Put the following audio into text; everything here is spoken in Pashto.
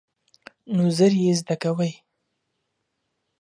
نو ژر یې زده کوې.